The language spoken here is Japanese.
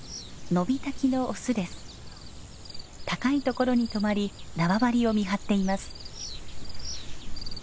高い所に止まり縄張りを見張っています。